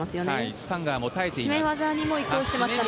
スタンガーも耐えています。